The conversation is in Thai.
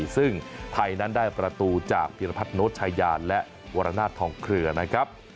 ซึ่งไทยนั้นได้ประตูจากพิรพัฒนโน้ตชายาและวรนาศทองเครือนะครับ